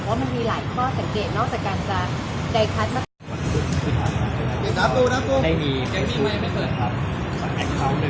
เพราะมันมีหลายข้อสังเกตนอกจากการจะใจคัดมาก